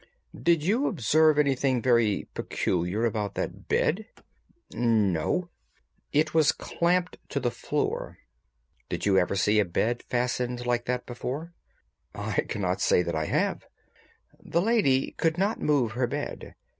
"Did you observe anything very peculiar about that bed?" "No." "It was clamped to the floor. Did you ever see a bed fastened like that before?" "I cannot say that I have." "The lady could not move her bed.